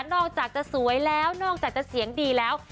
อกจากจะสวยแล้วนอกจากจะเสียงดีแล้ว